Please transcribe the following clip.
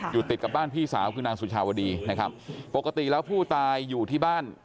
ติดกับบ้านพี่สาวคือนางสุชาวดีนะครับปกติแล้วผู้ตายอยู่ที่บ้าน